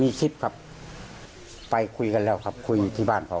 มีคลิปครับไปคุยกันแล้วครับคุยอยู่ที่บ้านเขา